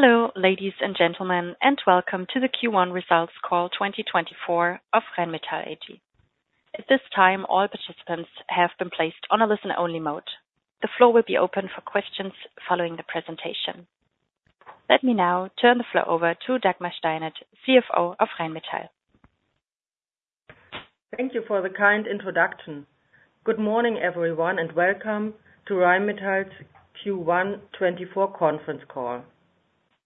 Hello, ladies and gentlemen, and welcome to the Q1 Results Call 2024 of Rheinmetall AG. At this time, all participants have been placed on a listen-only mode. The floor will be open for questions following the presentation. Let me now turn the floor over to Dagmar Steinert, CFO of Rheinmetall. Thank you for the kind introduction. Good morning, everyone, and welcome to Rheinmetall's Q1 2024 Conference Call.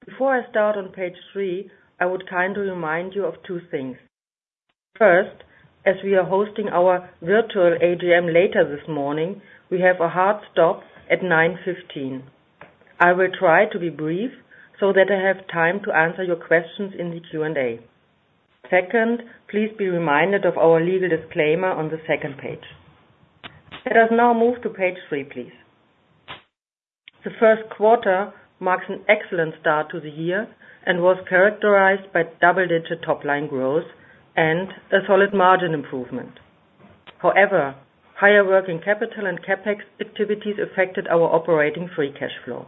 Before I start on page 3, I would kindly remind you of two things. First, as we are hosting our virtual AGM later this morning, we have a hard stop at 9:15 A.M. I will try to be brief so that I have time to answer your questions in the Q&A. Second, please be reminded of our legal disclaimer on the second page. Let us now move to page 3, please. The first quarter marks an excellent start to the year and was characterized by double-digit top-line growth and a solid margin improvement. However, higher working capital and CapEx activities affected our operating free cash flow.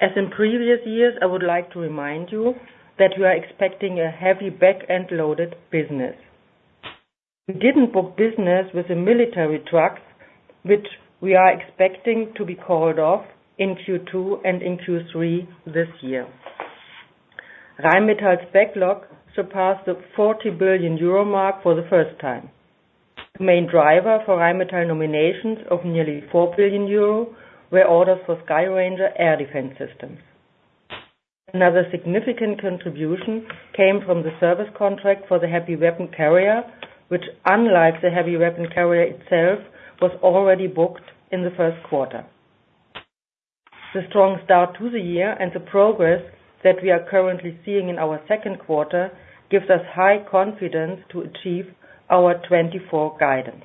As in previous years, I would like to remind you that we are expecting a heavy backend-loaded business. We didn't book business with the military trucks, which we are expecting to be called off in Q2 and in Q3 this year. Rheinmetall's backlog surpassed the 40 billion euro mark for the first time. The main driver for Rheinmetall nominations of nearly 4 billion euro were orders for SkyRanger air defense systems. Another significant contribution came from the service contract for the heavy weapon carrier, which, unlike the heavy weapon carrier itself, was already booked in the first quarter. The strong start to the year and the progress that we are currently seeing in our second quarter gives us high confidence to achieve our 2024 guidance.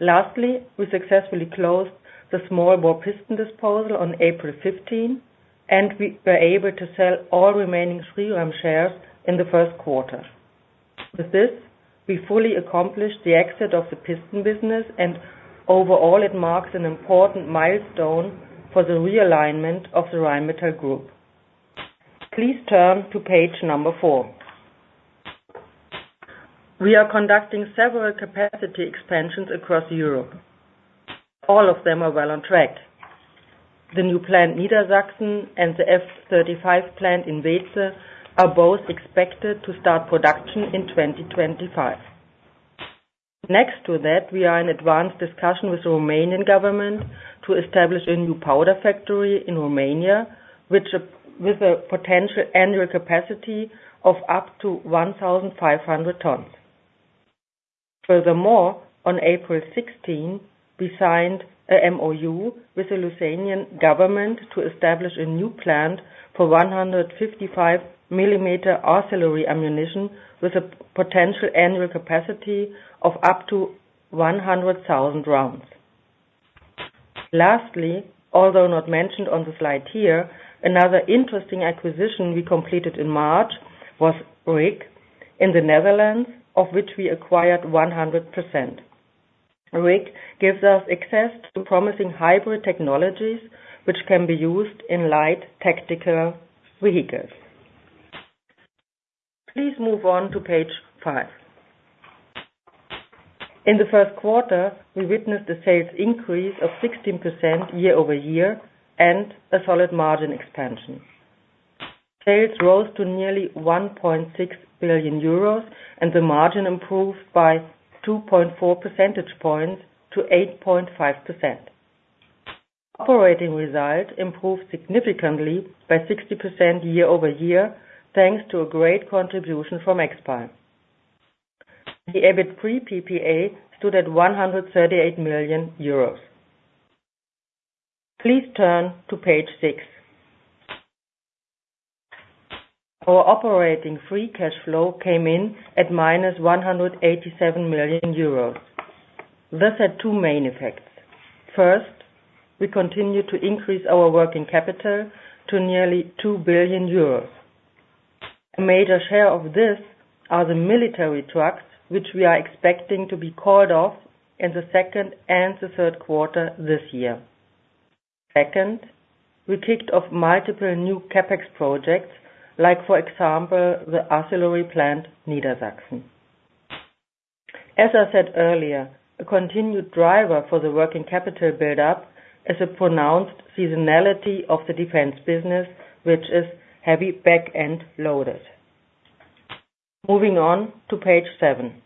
Lastly, we successfully closed the small bore piston disposal on April 15, and we were able to sell all remaining SRIRAM shares in the first quarter. With this, we fully accomplished the exit of the piston business, and overall, it marks an important milestone for the realignment of the Rheinmetall group. Please turn to page 4. We are conducting several capacity expansions across Europe. All of them are well on track. The new plant in Niedersachsen and the F-35 plant in Weeze are both expected to start production in 2025. Next to that, we are in advanced discussion with the Romanian government to establish a new powder factory in Romania with a potential annual capacity of up to 1,500 tons. Furthermore, on April 16, we signed a MOU with the Lithuanian government to establish a new plant for 155-millimeter artillery ammunition with a potential annual capacity of up to 100,000 rounds. Lastly, although not mentioned on the slide here, another interesting acquisition we completed in March was RIG in the Netherlands, of which we acquired 100%. RIG gives us access to promising hybrid technologies, which can be used in light tactical vehicles. Please move on to page 5. In the first quarter, we witnessed a sales increase of 16% year-over-year and a solid margin expansion. Sales rose to nearly 1.6 billion euros, and the margin improved by 2.4 percentage points to 8.5%. Operating result improved significantly by 60% year-over-year thanks to a great contribution from Expire. The EBIT pre-PPA stood at 138 million euros. Please turn to page 6. Our operating free cash flow came in at -187 million euros. This had two main effects. First, we continued to increase our working capital to nearly 2 billion euros. A major share of this are the military trucks, which we are expecting to be called off in the second and the third quarter this year. Second, we kicked off multiple new CapEx projects, like, for example, the artillery plant in Niedersachsen. As I said earlier, a continued driver for the working capital buildup is a pronounced seasonality of the defense business, which is heavy backend-loaded. Moving on to page 7.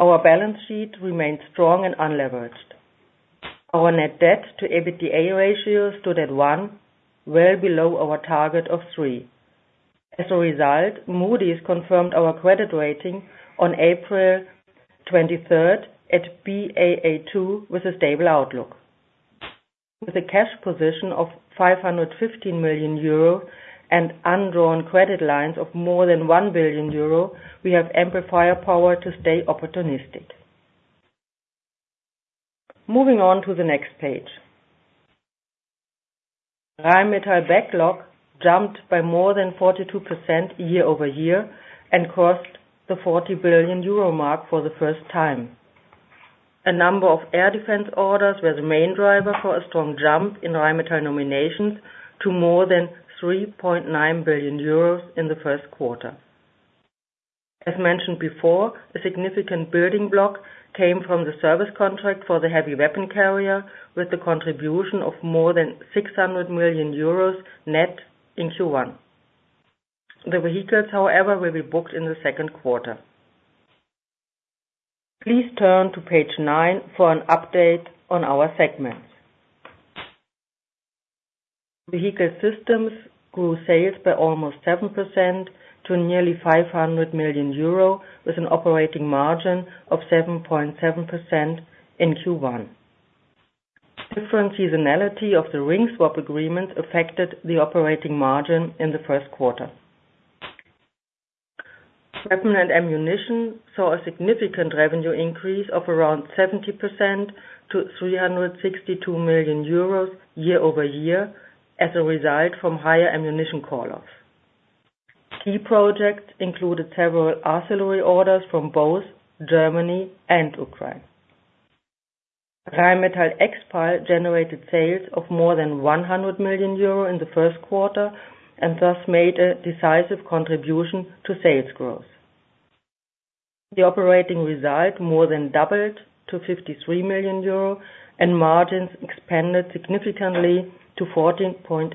Our balance sheet remained strong and unleveraged. Our net debt to EBITDA ratio stood at 1, well below our target of 3. As a result, Moody's confirmed our credit rating on April 23 at Baa2 with a stable outlook. With a cash position of 515 million euro and undrawn credit lines of more than 1 billion euro, we have amplifier power to stay opportunistic. Moving on to the next page. Rheinmetall Backlog jumped by more than 42% year-over-year and crossed the 40 billion euro mark for the first time. A number of air defense orders were the main driver for a strong jump in Rheinmetall Nominations to more than 3.9 billion euros in the first quarter. As mentioned before, a significant building block came from the service contract for the Heavy Weapon Carrier with the contribution of more than 600 million euros net in Q1. The vehicles, however, will be booked in the second quarter. Please turn to page 9 for an update on our segments. Vehicle Systems grew sales by almost 7% to nearly 500 million euro with an operating margin of 7.7% in Q1. Different seasonality of the Ring swap agreements affected the operating margin in the first quarter. Weapon and Ammunition saw a significant revenue increase of around 70% to 362 million euros year-over-year as a result from higher ammunition call-offs. Key projects included several artillery orders from both Germany and Ukraine. Rheinmetall Expal Munitions generated sales of more than 100 million euro in the first quarter and thus made a decisive contribution to sales growth. The operating result more than doubled to 53 million euro, and margins expanded significantly to 14.7%.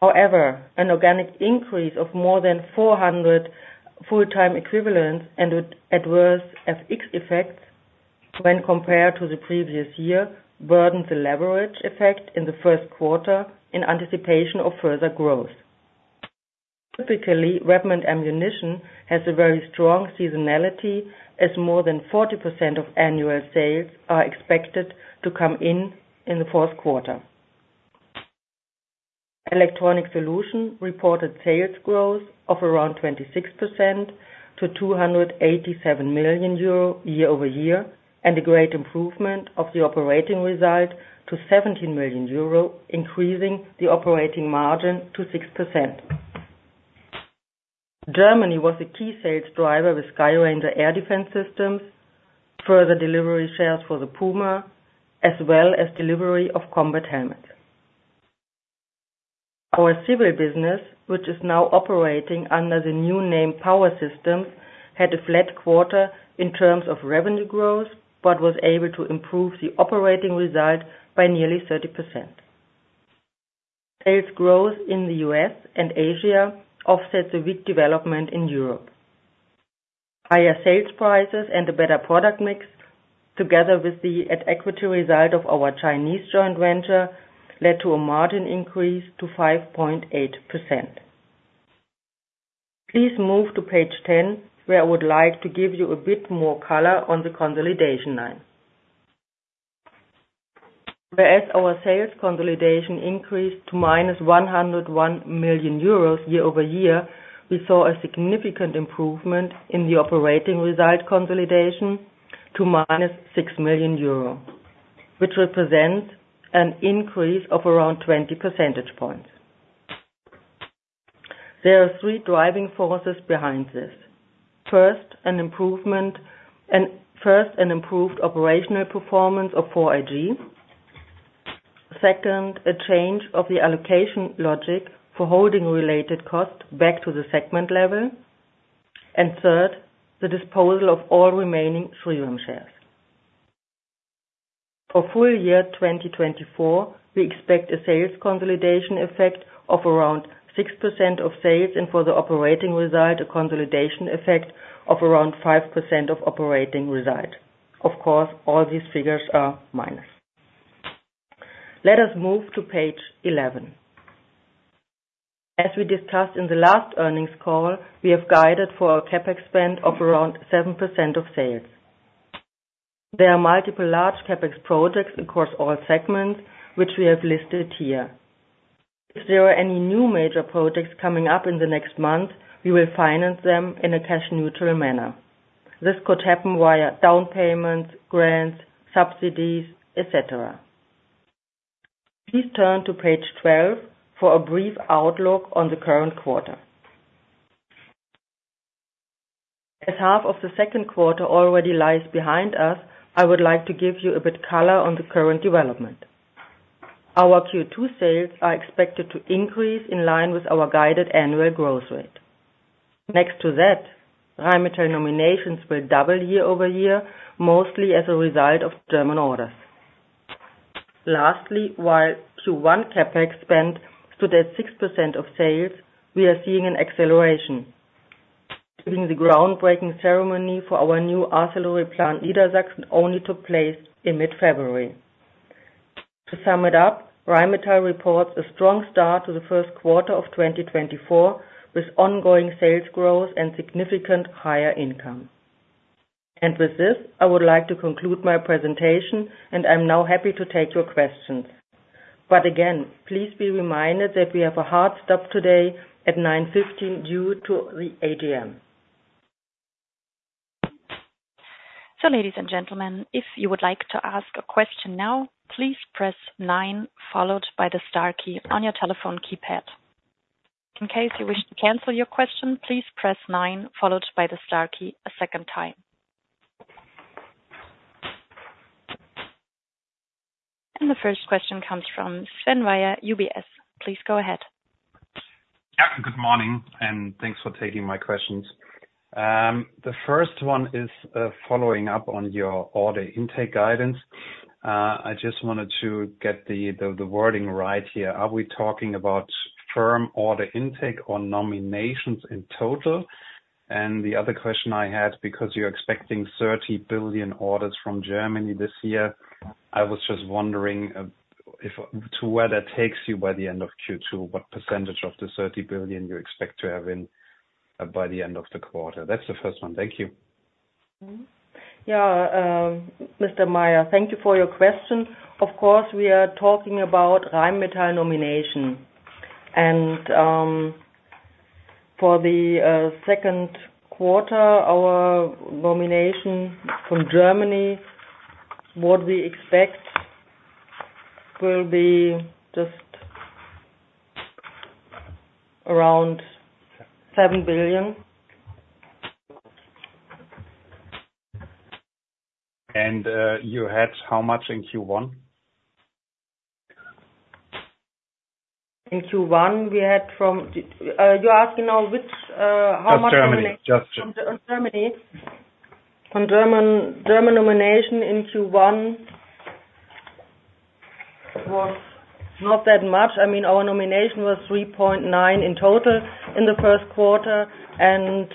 However, an organic increase of more than 400 full-time equivalents and adverse FX effects when compared to the previous year burdened the leverage effect in the first quarter in anticipation of further growth. Typically, Weapon and Ammunition has a very strong seasonality, as more than 40% of annual sales are expected to come in in the fourth quarter. Electronic Solutions reported sales growth of around 26% to 287 million euro year-over-year and a great improvement of the operating result to 17 million euro, increasing the operating margin to 6%. Germany was a key sales driver with SkyRanger air defense systems, further delivery shares for the Puma, as well as delivery of combat helmets. Our civil business, which is now operating under the new name Power Systems, had a flat quarter in terms of revenue growth but was able to improve the operating result by nearly 30%. Sales growth in the US and Asia offset the weak development in Europe. Higher sales prices and a better product mix, together with the at-equity result of our Chinese joint venture, led to a margin increase to 5.8%. Please move to page 10, where I would like to give you a bit more color on the consolidation line. Whereas our sales consolidation increased to -101 million euros year-over-year, we saw a significant improvement in the operating result consolidation to -6 million euro, which represents an increase of around 20 percentage points. There are three driving forces behind this. First, an improved operational performance of 4iG. Second, a change of the allocation logic for holding-related costs back to the segment level. And third, the disposal of all remaining Shriram shares. For full year 2024, we expect a sales consolidation effect of around 6% of sales and for the operating result, a consolidation effect of around 5% of operating result. Of course, all these figures are minus. Let us move to page 11. As we discussed in the last earnings call, we have guided for a CapEx spend of around 7% of sales. There are multiple large CapEx projects across all segments, which we have listed here. If there are any new major projects coming up in the next month, we will finance them in a cash-neutral manner. This could happen via down payments, grants, subsidies, etc. Please turn to page 12 for a brief outlook on the current quarter. As half of the second quarter already lies behind us, I would like to give you a bit of color on the current development. Our Q2 sales are expected to increase in line with our guided annual growth rate. Next to that, Rheinmetall nominations will double year-over-year, mostly as a result of German orders. Lastly, while Q1 CapEx spend stood at 6% of sales, we are seeing an acceleration, giving the groundbreaking ceremony for our new artillery plant in Niedersachsen only took place in mid-February. To sum it up, Rheinmetall reports a strong start to the first quarter of 2024 with ongoing sales growth and significant higher income. With this, I would like to conclude my presentation, and I'm now happy to take your questions. Again, please be reminded that we have a hard stop today at 9:15 A.M. due to the AGM. Ladies and gentlemen, if you would like to ask a question now, please press nine followed by the star key on your telephone keypad. In case you wish to cancel your question, please press nine followed by the star key a second time. The first question comes from Sven Weier, UBS. Please go ahead. Yeah, good morning, and thanks for taking my questions. The first one is following up on your order intake guidance. I just wanted to get the wording right here. Are we talking about firm order intake or nominations in total? And the other question I had, because you're expecting 30 billion orders from Germany this year, I was just wondering to where that takes you by the end of Q2, what percentage of the 30 billion you expect to have in by the end of the quarter. That's the first one. Thank you. Yeah, Mr. Meier, thank you for your question. Of course, we are talking about Rheinmetall nomination. And for the second quarter, our nomination from Germany, what we expect will be just around EUR 7 billion. And you had how much in Q1? In Q1, we had from you're asking now which how much from Germany? Just Germany. German nomination in Q1 was not that much. I mean, our nomination was 3.9 billion in total in the first quarter, and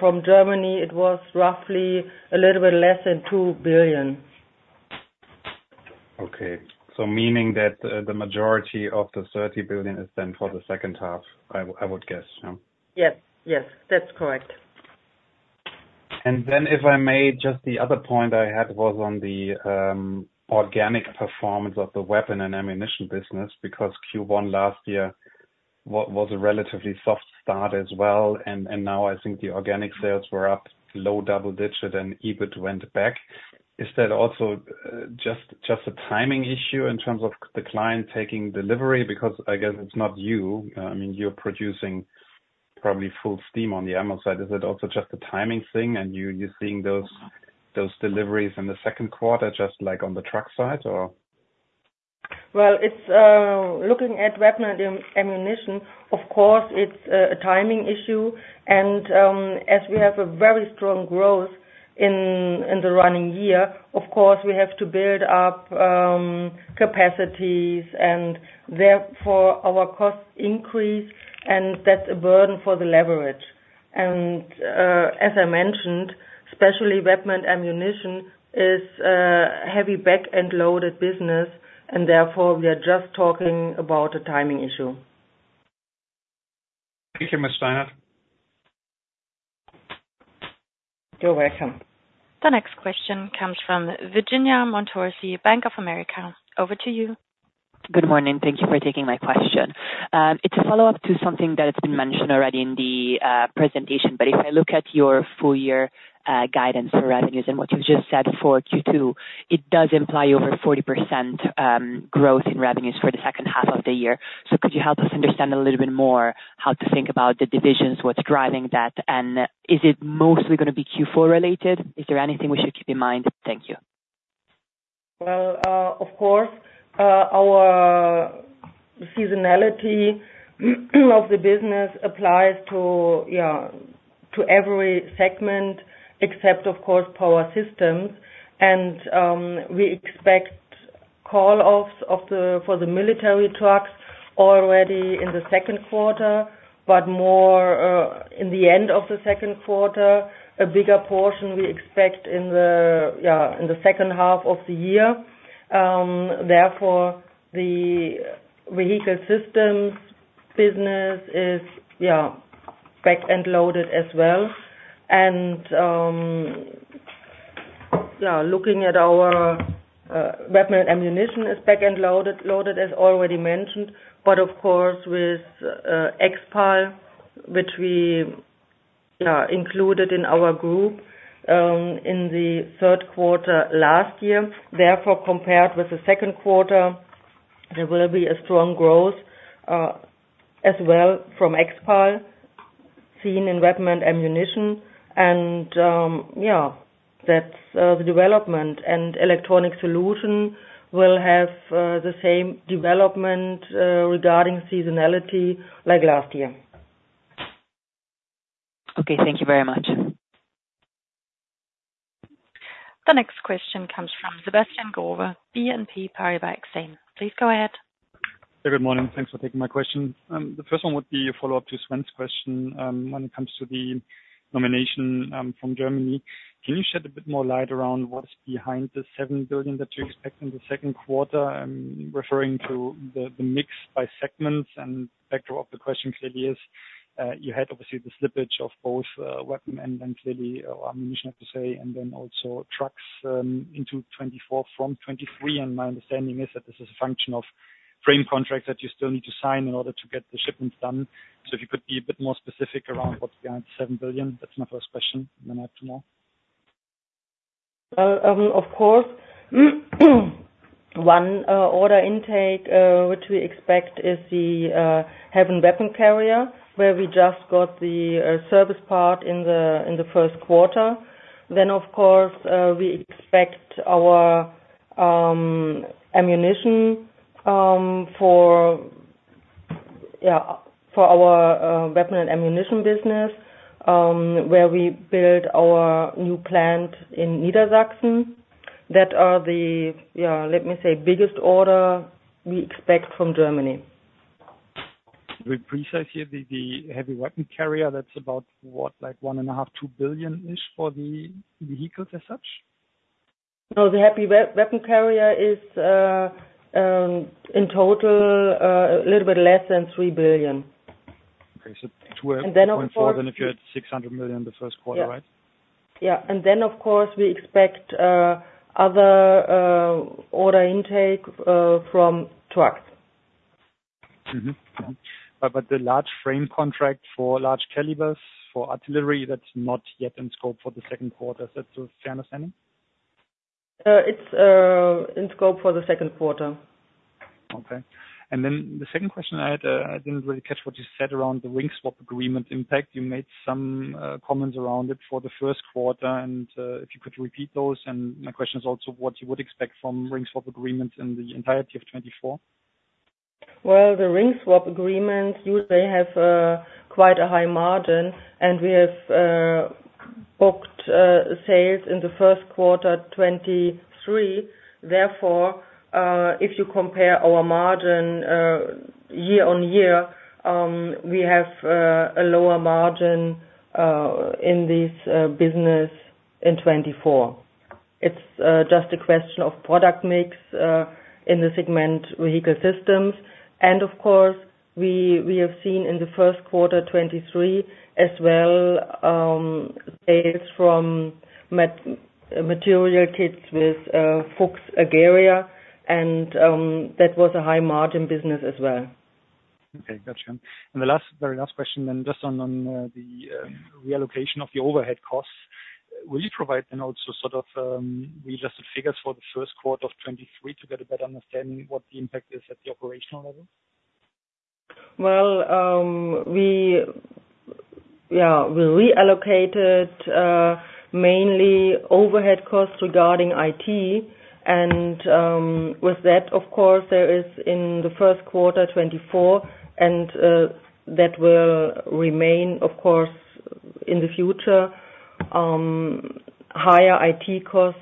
from Germany, it was roughly a little bit less than 2 billion. Okay. So meaning that the majority of the 30 billion is then for the second half, I would guess. Yeah. Yes. Yes, that's correct. And then if I may, just the other point I had was on the organic performance of the weapon and ammunition business, because Q1 last year was a relatively soft start as well, and now I think the organic sales were up low double-digit, and EBIT went back. Is that also just a timing issue in terms of the client taking delivery? Because I guess it's not you. I mean, you're producing probably full steam on the ammo side. Is it also just a timing thing, and you're seeing those deliveries in the second quarter just on the truck side, or? Well, looking at weapon and ammunition, of course, it's a timing issue. And as we have a very strong growth in the running year, of course, we have to build up capacities, and therefore, our costs increase, and that's a burden for the leverage. And as I mentioned, especially weapon and ammunition is a heavy backend-loaded business, and therefore, we are just talking about a timing issue. Thank you, Ms. Steinert. You're welcome. The next question comes from Virginia Montorsi, Bank of America. Over to you. Good morning. Thank you for taking my question. It's a follow-up to something that has been mentioned already in the presentation. But if I look at your full-year guidance for revenues and what you've just said for Q2, it does imply over 40% growth in revenues for the second half of the year. So could you help us understand a little bit more how to think about the divisions, what's driving that, and is it mostly going to be Q4-related? Is there anything we should keep in mind? Thank you. Well, of course, our seasonality of the business applies to every segment except, of course, Power Systems. And we expect call-offs for the military trucks already in the second quarter, but more in the end of the second quarter. A bigger portion we expect in the second half of the year. Therefore, the Vehicle Systems business is backend-loaded as well. And looking at our Weapon and Ammunition is backend-loaded, as already mentioned. But of course, with Expire, which we included in our group in the third quarter last year, therefore, compared with the second quarter, there will be a strong growth as well from Expire seen in Weapon and Ammunition. Yeah, that's the development. Electronic Solutions will have the same development regarding seasonality like last year. Okay. Thank you very much. The next question comes from Sebastian Growe, BNP Paribas Exane. Please go ahead. Yeah, good morning. Thanks for taking my question. The first one would be a follow-up to Sven's question when it comes to the nomination from Germany. Can you shed a bit more light around what's behind the 7 billion that you expect in the second quarter, referring to the mix by segments? And backdrop of the question clearly is you had, obviously, the slippage of both weapon and then clearly ammunition, I have to say, and then also trucks into 2024 from 2023. And my understanding is that this is a function of frame contracts that you still need to sign in order to get the shipments done. So if you could be a bit more specific around what's behind the 7 billion, that's my first question. Then I have two more. Well, of course. One order intake, which we expect, is the Heavy Weapon Carrier, where we just got the service part in the first quarter. Then, of course, we expect our ammunition for our Weapon and Ammunition business, where we build our new plant in Niedersachsen. That are the, let me say, biggest order we expect from Germany. You've been precise here. The Heavy Weapon Carrier, that's about what, 1.5 billion-2 billion-ish for the vehicles as such? No, the Heavy Weapon Carrier is in total a little bit less than 3 billion. Okay. So 2.4 than if you had 600 million in the first quarter, right? Yeah. And then, of course, we expect other order intake from trucks. But the large frame contract for large calibers for artillery, that's not yet in scope for the second quarter. Is that your fair understanding? It's in scope for the second quarter. Okay. And then the second question I had, I didn't really catch what you said around the Ring swap agreement impact. You made some comments around it for the first quarter, and if you could repeat those. And my question is also what you would expect from Ring swap agreements in the entirety of 2024. Well, the Ring swap agreements, they have quite a high margin, and we have booked sales in the first quarter 2023. Therefore, if you compare our margin year-on-year, we have a lower margin in this business in 2024. It's just a question of product mix in the segment Vehicle Systems. Of course, we have seen in the first quarter 2023 as well sales from material kits with Fuchs Algeria, and that was a high-margin business as well. Okay. Gotcha. The very last question then, just on the reallocation of the overhead costs, will you provide then also sort of readjusted figures for the first quarter of 2023 to get a better understanding of what the impact is at the operational level? Well, yeah, we reallocated mainly overhead costs regarding IT. And with that, of course, there is in the first quarter 2024, and that will remain, of course, in the future. Higher IT costs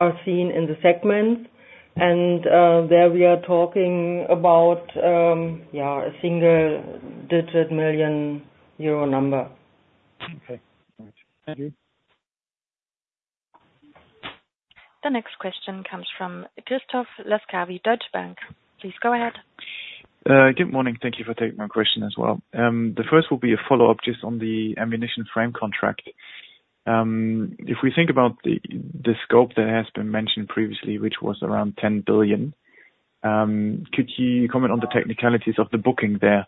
are seen in the segments, and there we are talking about a single-digit million EUR number. Okay. All right. Thank you. The next question comes from Christoph Laskawi, Deutsche Bank. Please go ahead. Good morning. Thank you for taking my question as well. The first will be a follow-up just on the ammunition frame contract. If we think about the scope that has been mentioned previously, which was around 10 billion, could you comment on the technicalities of the booking there?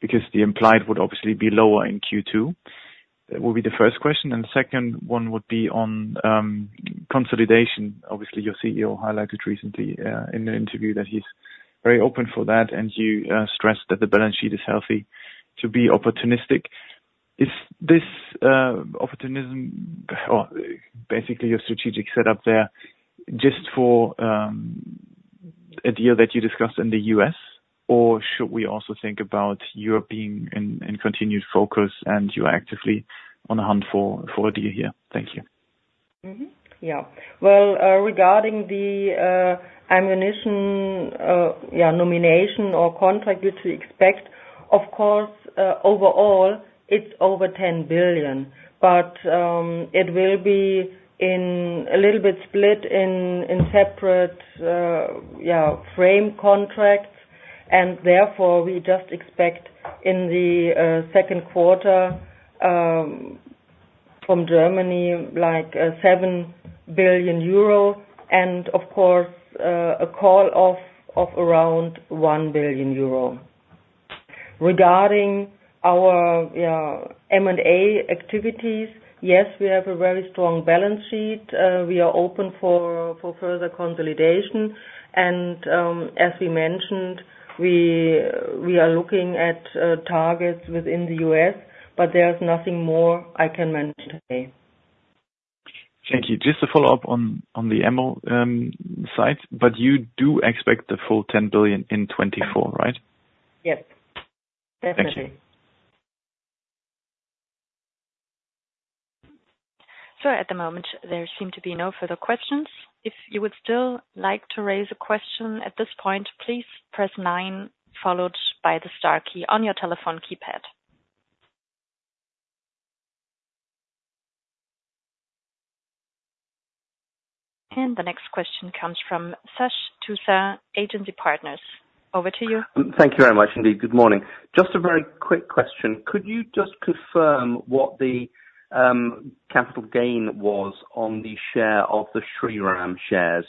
Because the implied would obviously be lower in Q2. That will be the first question. And the second one would be on consolidation. Obviously, your CEO highlighted recently in an interview that he's very open for that, and you stressed that the balance sheet is healthy to be opportunistic. Is this opportunism or basically your strategic setup there just for a deal that you discussed in the US, or should we also think about Europe being in continued focus and you actively on a hunt for a deal here? Thank you. Yeah. Well, regarding the ammunition nomination or contract you'd expect, of course, overall, it's over 10 billion. But it will be a little bit split in separate frame contracts, and therefore, we just expect in the second quarter from Germany 7 billion euro and, of course, a call-off of around 1 billion euro. Regarding our M&A activities, yes, we have a very strong balance sheet. We are open for further consolidation. And as we mentioned, we are looking at targets within the US, but there's nothing more I can mention today. Thank you. Just a follow-up on the ammo side, but you do expect the full 10 billion in 2024, right? Yes. Definitely. Thank you. So at the moment, there seem to be no further questions. If you would still like to raise a question at this point, please press nine followed by the star key on your telephone keypad. And the next question comes from Sash Tusa, Agency Partners. Over to you. Thank you very much, indeed. Good morning. Just a very quick question. Could you just confirm what the capital gain was on the share of the Shriram shares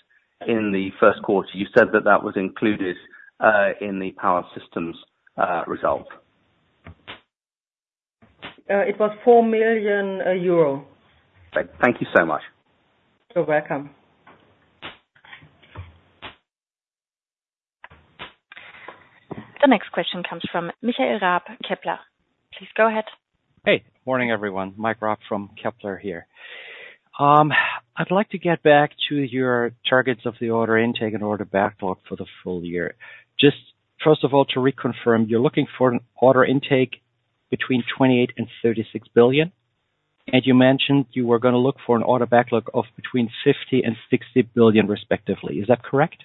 in the first quarter? You said that that was included in the Power Systems result. It was 4 million euro. Thank you so much. You're welcome. The next question comes from Michael Raab, Kepler. Please go ahead. Hey. Morning, everyone. Mike Raab from Kepler here. I'd like to get back to your targets of the order intake and order backlog for the full year. Just first of all, to reconfirm, you're looking for an order intake between 28 billion and 36 billion, and you mentioned you were going to look for an order backlog of between 50 billion and 60 billion, respectively. Is that correct?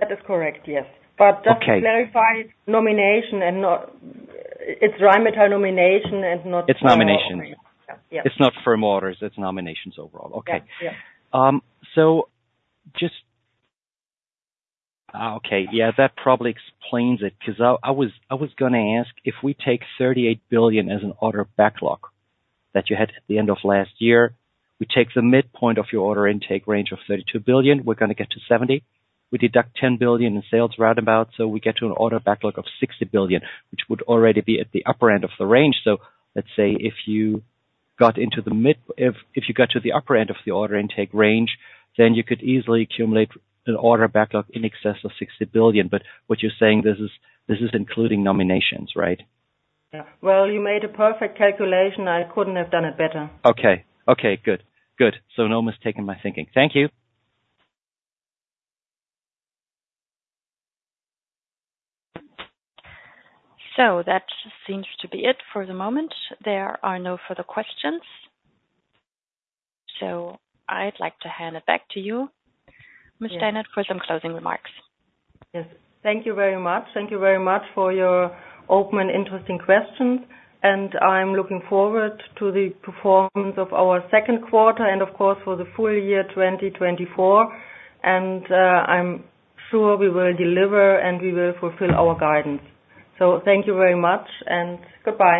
That is correct, yes. But just to clarify, it's nomination and not it's Rheinmetall nomination and not firm orders. It's nominations. It's not firm orders. It's nominations overall. Okay. So just okay. Yeah, that probably explains it because I was going to ask, if we take 38 billion as an order backlog that you had at the end of last year, we take the midpoint of your order intake range of 32 billion, we're going to get to 70 billion. We deduct 10 billion in sales roundabout, so we get to an order backlog of 60 billion, which would already be at the upper end of the range. So let's say if you got to the upper end of the order intake range, then you could easily accumulate an order backlog in excess of 60 billion. But what you're saying, this is including nominations, right? Yeah. Well, you made a perfect calculation. I couldn't have done it better. Okay. Okay. Good. Good. So, no mistake in my thinking. Thank you. So that seems to be it for the moment. There are no further questions. So I'd like to hand it back to you, Ms. Steinert, for some closing remarks. Yes. Thank you very much. Thank you very much for your open and interesting questions. And I'm looking forward to the performance of our second quarter and, of course, for the full year 2024. And I'm sure we will deliver, and we will fulfill our guidance. So thank you very much, and goodbye.